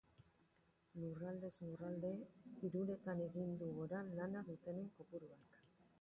Lurraldez lurralde, hiruretan egin du gora lana dutenen kopuruak.